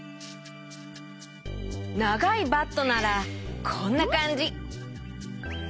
ながいバットならこんなかんじ。